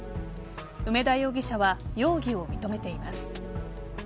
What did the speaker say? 梅田容疑者は容疑を認めています。